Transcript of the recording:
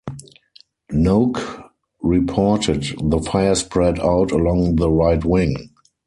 Knoke reported: The fire spread out along the right wing.